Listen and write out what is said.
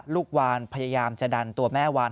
ลูกวานพยายามจะดันตัวแม่วาน